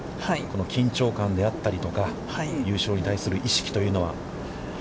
緊張感であったりとか、優勝に対する意識というのは。